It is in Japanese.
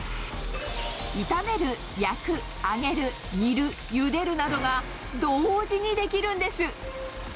炒める、焼く、揚げる、煮る、ゆでるなどが、同時にできるんです。